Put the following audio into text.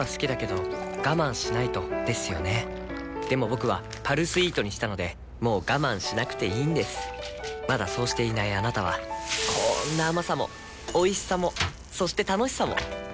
僕は「パルスイート」にしたのでもう我慢しなくていいんですまだそうしていないあなたはこんな甘さもおいしさもそして楽しさもあちっ。